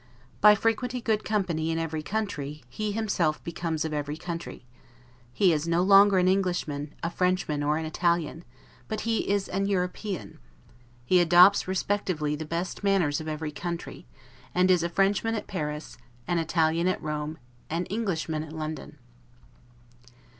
By frequenting good company in every country, he himself becomes of every country; he is no longer an Englishman, a Frenchman, or an Italian; but he is an European; he adopts, respectively, the best manners of every country; and is a Frenchman at Paris, an Italian at Rome, an Englishman at London.